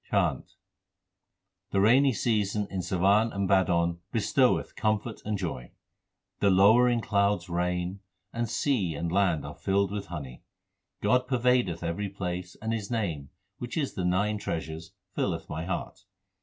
CHHANT The rainy season in Sawan and Bhadon bestoweth comfort and joy. The lowering clouds rain, and sea and land are filled with honey. 1 God pervadeth every place, and His name, which is the nine treasures, filleth my heart.